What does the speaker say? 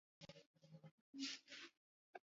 vitabu vipo maktabani